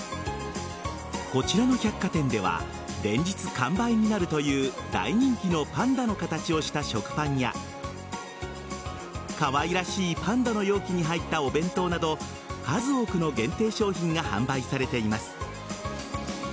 こちらの百貨店では連日、完売になるという大人気のパンダの形をした食パンやかわいらしいパンダの容器に入ったお弁当など数多くの限定商品が販売されています。